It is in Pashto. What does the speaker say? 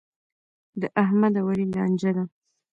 د احمد او علي لانجه ده.